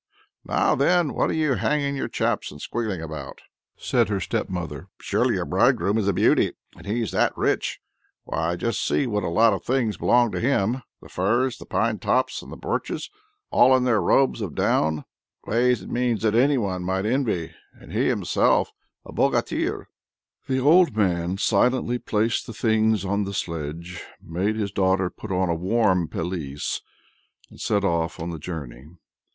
"Now then, what are you hanging your chaps and squealing about?" said her stepmother. "Surely your bridegroom is a beauty, and he's that rich! Why, just see what a lot of things belong to him, the firs, the pine tops, and the birches, all in their robes of down ways and means that any one might envy; and he himself a bogatir!" The old man silently placed the things on the sledge, made his daughter put on a warm pelisse, and set off on the journey.